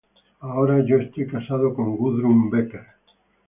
Ahora, yo estoy casado con Gudrun Becker.